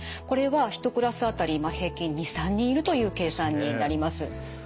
これは１クラス当たり平均２３人いるという計算になります。